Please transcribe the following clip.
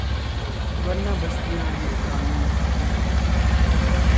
ورنہ بستیاں یہ پرانی ہی ہیں۔